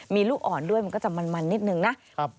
มีลูกอ่อนด้วยมันก็จะมันนิดนึงนะ